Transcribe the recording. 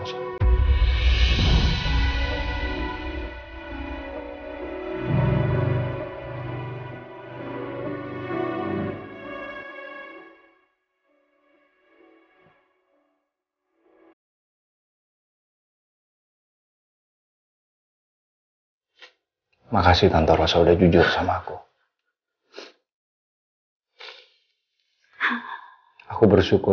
tahir sudah selesai